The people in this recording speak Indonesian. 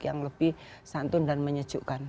yang lebih santun dan menyejukkan